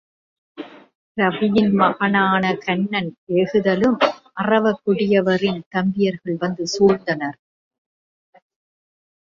இரவியின்மகனான கன்னன் ஏகுதலும் அரவக் கொடியவரின் தம்பியர்கள் வந்து சூழ்ந்தனர்.